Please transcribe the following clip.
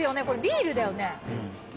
これビールだよね？